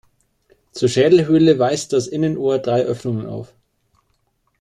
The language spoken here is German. Zur Schädelhöhle weist das Innenohr drei Öffnungen auf.